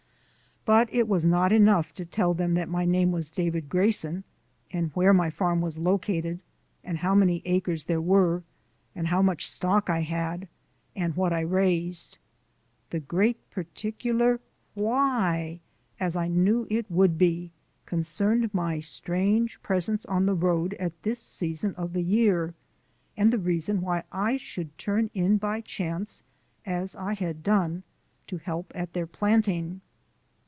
But it was not enough to tell them that my name was David Grayson and where my farm was located, and how many acres there were, and how much stock I had, and what I raised. The great particular "Why?" as I knew it would be concerned my strange presence on the road at this season of the year and the reason why I should turn in by chance, as I had done, to help at their planting.